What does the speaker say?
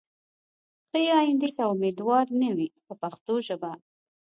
ښې ایندې ته امیدوار نه وي په پښتو ژبه.